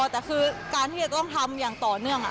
แต่คือการที่จะต้องทำอย่างต่อเนื่อง